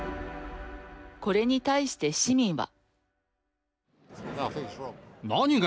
これに対して市民は。